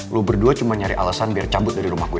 lu berdua cuma nyari alasan biar cabut dari rumah gue